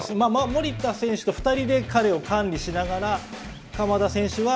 守田選手と２人で彼を管理しながら鎌田選手は